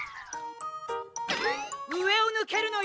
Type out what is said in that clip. うえをぬけるのよ！